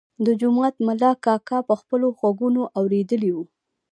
د جومات ملا کاکا په خپلو غوږونو اورېدلی و.